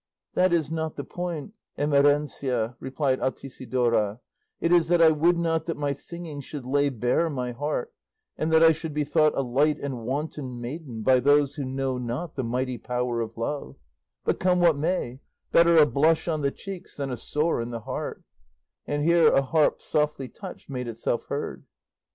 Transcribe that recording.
"That is not the point, Emerencia," replied Altisidora, "it is that I would not that my singing should lay bare my heart, and that I should be thought a light and wanton maiden by those who know not the mighty power of love; but come what may; better a blush on the cheeks than a sore in the heart;" and here a harp softly touched made itself heard.